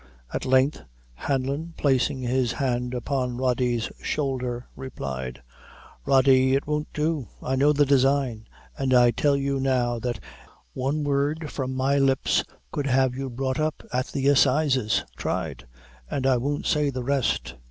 At length, Hanlon, placing his hand upon Rody's shoulder, replied: "Rody, it won't do. I know the design and I tell you now that one word from my lips could have you brought up at the assizes tried and I won't say the rest.